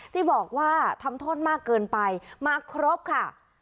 ที่บอกว่าทำโทษมากเกินไปมาครบค่ะ